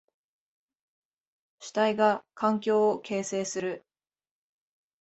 主体が環境を形成する。